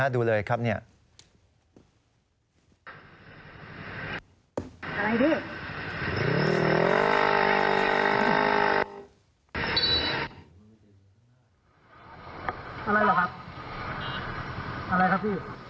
ดูเลยครับ